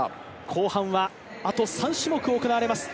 後半はあと３種目行われます